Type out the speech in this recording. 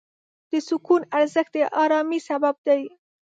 د سکون ارزښت د آرامۍ سبب دی.